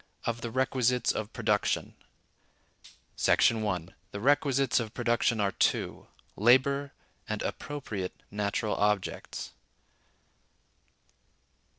Of The Requisites Of Production. § 1. The Requisites of Production are Two: Labor, and Appropriate Natural Objects.